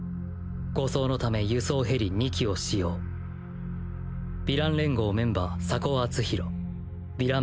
護送のため輸送ヘリ２機を使用ヴィラン連合メンバー迫圧紘ヴィラン